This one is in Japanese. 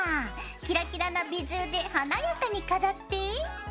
キラキラなビジューで華やかに飾って。